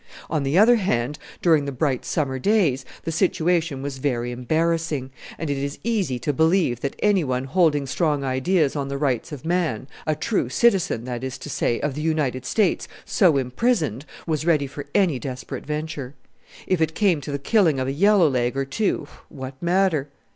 On the other hand, during the bright summer days, the situation was very embarrassing; and it is easy to believe that any one holding strong ideas on the rights of man, a true citizen, that is to say, of the United States, so imprisoned, was ready for any desperate venture. If it came to the killing of a yellow leg or two what matter?